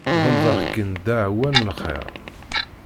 Ḍelbeɣ-k-in ddeɛwa n lxir.